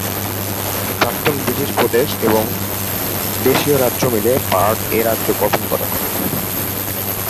প্রাক্তন ব্রিটিশ প্রদেশ এবং দেশীয় রাজ্য মিলে পার্ট এ রাজ্য গঠন করে।